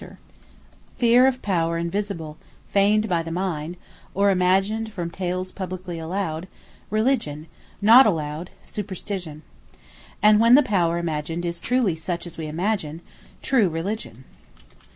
Religion Superstition; True Religion Feare of power invisible, feigned by the mind, or imagined from tales publiquely allowed, RELIGION; not allowed, superstition. And when the power imagined is truly such as we imagine, TRUE RELIGION.